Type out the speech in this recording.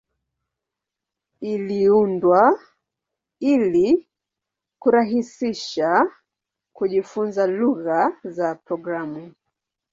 Iliundwa ili kurahisisha kujifunza lugha za programu.